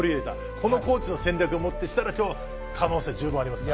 このコーチの戦略を持ってしたら今日は可能性十分ありますね。